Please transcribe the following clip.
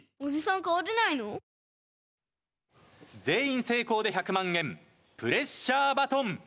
全員成功で１００万円プレッシャーバトン。